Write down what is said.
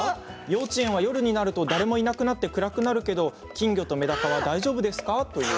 幼稚園は夜になると誰もいなくなって暗くなるけど、金魚とめだかは大丈夫ですか？